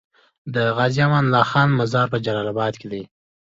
د غازي امان الله خان مزار په جلال اباد کی دی